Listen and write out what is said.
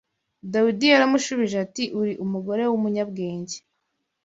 Dawidi yaramushubije ati ‘uri umugore w’umunyabwenge